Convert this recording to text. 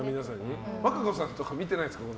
和歌子さんとか見てないですか？